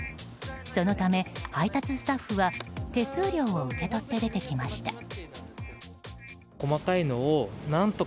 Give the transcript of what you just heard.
そのため、配達スタッフは手数料を受け取って出てきました。